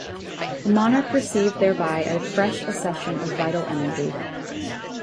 The monarch received thereby a fresh accession of vital energy.